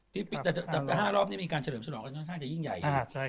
แต่ว่าวางรหรอบนี่ก็จำเป็นวาระ๕รอบมันยิ่งใหญ่